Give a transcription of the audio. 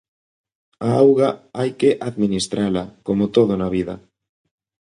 A auga hai que administrala, como todo na vida.